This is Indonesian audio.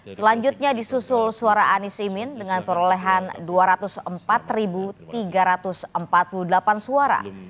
selanjutnya disusul suara anies imin dengan perolehan dua ratus empat tiga ratus empat puluh delapan suara